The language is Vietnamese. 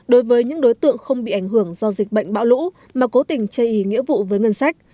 đối với những đối tượng không bị ảnh hưởng do dịch bệnh bão lũ mà cố tình chây ý nghĩa vụ với ngân sách